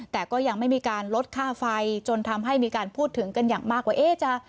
แต่ก็ยังไม่มีการลดค่าไฟจนทำให้มีการพูดถึงกันอย่างมากว่าจะ